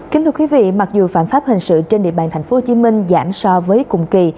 kính thưa quý vị mặc dù phản pháp hình sự trên địa bàn tp hcm giảm so với cùng kỳ